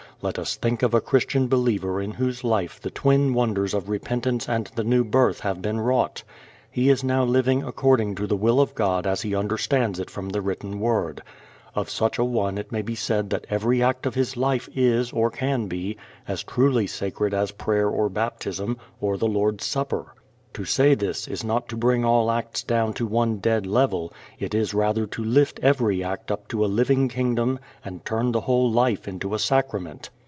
Let us think of a Christian believer in whose life the twin wonders of repentance and the new birth have been wrought. He is now living according to the will of God as he understands it from the written Word. Of such a one it may be said that every act of his life is or can be as truly sacred as prayer or baptism or the Lord's Supper. To say this is not to bring all acts down to one dead level; it is rather to lift every act up into a living kingdom and turn the whole life into a sacrament.